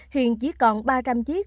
hiện chỉ còn ba trăm linh chiếc